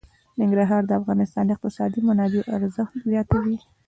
ننګرهار د افغانستان د اقتصادي منابعو ارزښت زیاتوي.